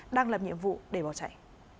đang làm nhiệm vụ để bỏ chạy